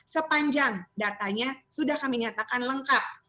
sepanjang datanya sudah kami nyatakan lengkap